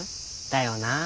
だよなあ。